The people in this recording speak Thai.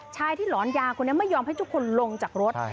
ชายที่หลอนยาคนนี้ไม่ยอมให้ทุกคนลงจากรถ